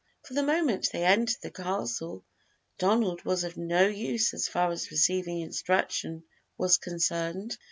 From the moment they entered the castle, Donald was of no use as far as receiving instruction was concerned.